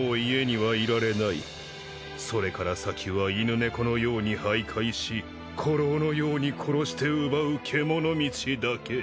それから先は犬猫のように徘徊し狐狼のように殺して奪う獣道だけ。